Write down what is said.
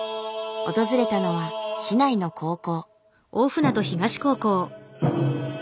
訪れたのは市内の高校。